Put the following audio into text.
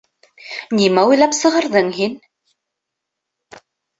Нимә уйлап сығарҙың һин?